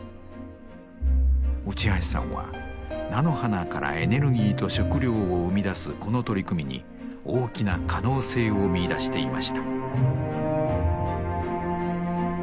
内橋さんは菜の花からエネルギーと食料を生み出すこの取り組みに大きな可能性を見いだしていました。